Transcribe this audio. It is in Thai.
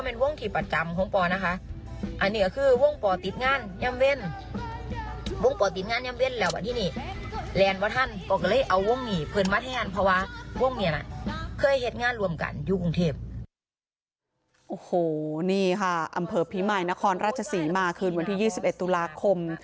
โอ้โหนี่ค่ะอำเภอพิมายนครราชศรีมาคืนวันที่๒๑ตุลาคม